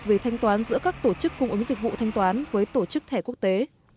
về thanh toán giữa các tổ chức cung ứng dịch vụ thanh toán với tổ chức thẻ quốc tế